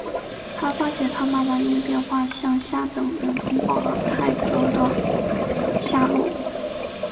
他发觉他妈妈用电话向下等人通报了泰德的下落。